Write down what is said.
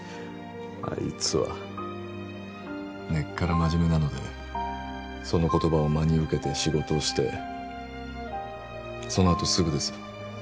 あいつは根っからまじめなのでその言葉を真に受けて仕事をしてそのあとすぐです